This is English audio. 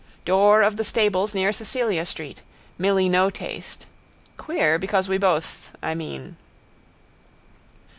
Door of the stables near Cecilia street. Milly no taste. Queer because we both, I mean.